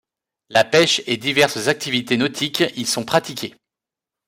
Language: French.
La pêche et diverses activités nautiques y sont pratiquées.